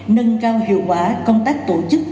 nâng cao hiệu quả công tác tổ chức